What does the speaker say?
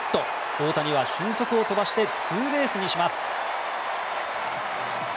大谷は俊足を飛ばしてツーベースにします。